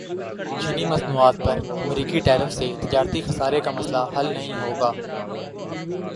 چینی مصنوعات پر امریکی ٹیرف سے تجارتی خسارے کا مسئلہ حل نہیں ہوگا